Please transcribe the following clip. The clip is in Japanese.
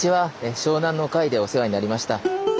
湘南の回でお世話になりました。